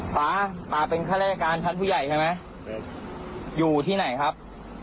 ป๊าป๊าเป็นข้าราชการชั้นผู้ใหญ่ใช่ไหมอยู่ที่ไหนครับ